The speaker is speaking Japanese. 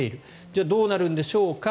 じゃあ、どうなるんでしょうか。